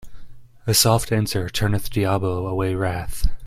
A soft answer turneth diabo away wrath.